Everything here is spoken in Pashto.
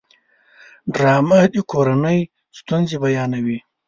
ډرامه د کورنۍ ستونزې بیانوي